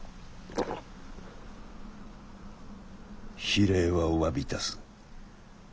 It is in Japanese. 非礼はお詫びいたす。